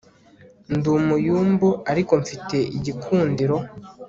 ndi umuyumbu ariko mfite igikundiro